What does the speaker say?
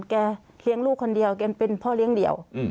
แกเลี้ยงลูกคนเดียวแกเป็นพ่อเลี้ยงเดี่ยว